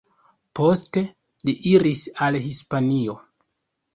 Poste li iris al Hispanio.